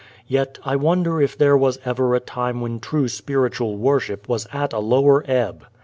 Yet I wonder if there was ever a time when true spiritual worship was at a lower ebb.